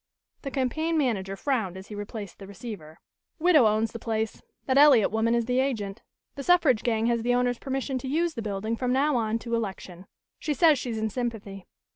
The campaign manager frowned as he replaced the receiver. "Widow owns the place. That Eliot woman is the agent. The suffrage gang has the owner's permission to use the building from now on to election. She says she's in sympathy.